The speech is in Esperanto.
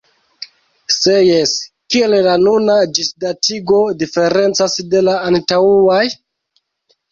Se jes, kiel la nuna ĝisdatigo diferencas de la antaŭaj?